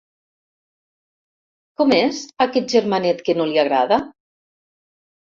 Com és, aquest germanet que no li agrada?